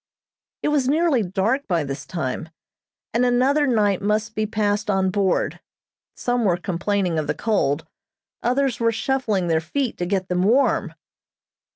It was nearly dark by this time, and another night must be passed on board. Some were complaining of the cold. Others were shuffling their feet to get them warm.